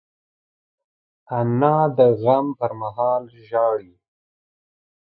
انا د غم پر مهال ژاړي